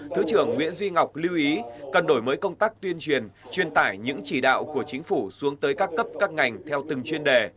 thứ trưởng nguyễn duy ngọc lưu ý cần đổi mới công tác tuyên truyền truyền tải những chỉ đạo của chính phủ xuống tới các cấp các ngành theo từng chuyên đề